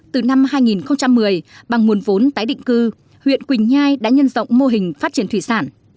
từ năm hai nghìn một mươi bằng nguồn vốn tái định cư huyện quỳnh nhai đã nhân rộng mô hình phát triển thủy sản